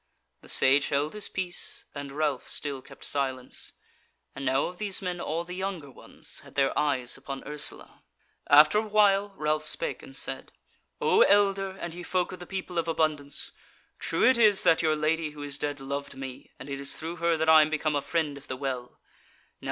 The Sage held his peace, and Ralph still kept silence; and now of these men all the younger ones had their eyes upon Ursula. After a while Ralph spake and said: "O elder, and ye folk of the People of Abundance, true it is that your Lady who is dead loved me, and it is through her that I am become a Friend of the Well.